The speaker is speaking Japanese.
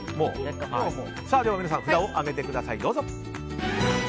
皆さん札を上げてください。